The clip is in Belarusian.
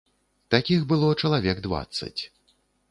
Такіх было чалавек дваццаць.